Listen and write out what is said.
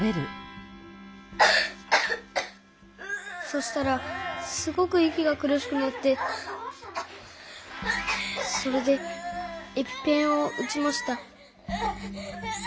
そしたらすごくいきがくるしくなってそれでエピペンをうちました。